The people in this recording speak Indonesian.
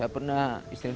pegangnya kita sendiri